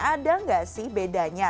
ada nggak sih bedanya